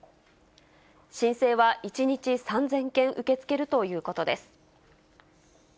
申請は１日３０００件受け付けるということです。